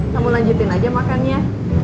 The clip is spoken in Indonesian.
kamu lanjutin aja makan ya